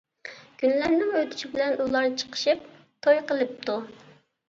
كۈنلەرنىڭ ئۆتۈشى بىلەن ئۇلار چىقىشىپ توي قىلىپتۇ.